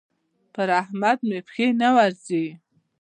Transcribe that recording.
پر احمد مې پښې نه ورځي.